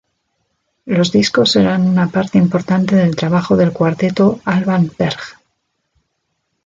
Los discos eran una parte importante del trabajo del Cuarteto Alban Berg.